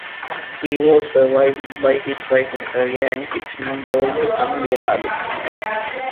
He was survived by his wife Natalia and six-month-old son Leonardo.